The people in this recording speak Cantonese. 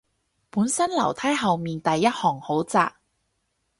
本身樓梯後面第一行好窄